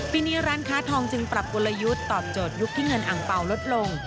ปีนี้ร้านค้าทองจึงปรับกลยุทธ์ตอบโจทยุคที่เงินอังเปล่าลดลง